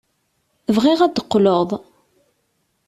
Bɣiɣ ad d-teqqleḍ.